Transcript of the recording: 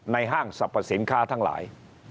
ห้างสรรพสินค้าทั้งหลาย